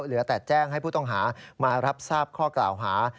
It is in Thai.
เหลือแต่แจ้งให้ผู้ต้องหามารับทราบข้อกล่าวหา